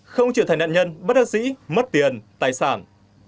không trở thành nạn nhân bất đơn sĩ mất tiền tài sản